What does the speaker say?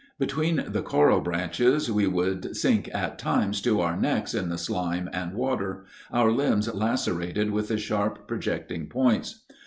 Between the coral branches we would sink at times to our necks in the slime and water, our limbs lacerated with the sharp projecting points.